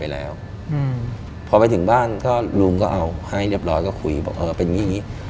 ลุงก็เอาให้เรียบร้อยก็คุยบอกเออเป็นอย่างนี้